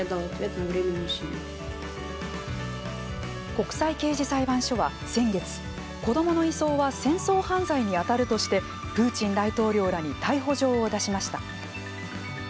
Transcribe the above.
国際刑事裁判所は、先月子どもの移送は戦争犯罪に当たるとしてプーチン大統領らに逮捕状を出しました。